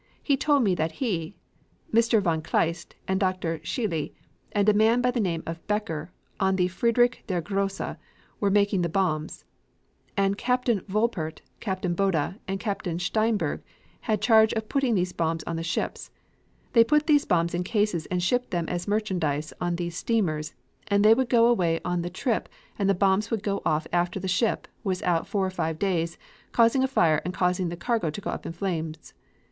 He told me that he, Mr. von Kleist, and Dr. Scheele and a man by the name of Becker on the Friedrich der Grosse were making the bombs, and that Captain Wolpert, Captain Bode and Captain Steinberg, had charge of putting these bombs on the ships; they put these bombs in cases and shipped them as merchandise on these steamers, and they would go away on the trip and the bombs would go off after the ship was out four or five days, causing a fire and causing the cargo to go up in flames.